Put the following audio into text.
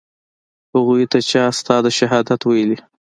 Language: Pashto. هغوى ته چا ستا د شهادت ويلي.